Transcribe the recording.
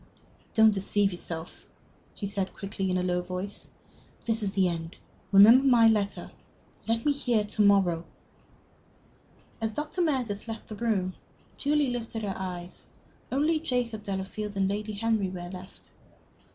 "Don't deceive yourself," he said, quickly, in a low voice; "this is the end. Remember my letter. Let me hear to morrow." As Dr. Meredith left the room, Julie lifted her eyes. Only Jacob Delafield and Lady Henry were left.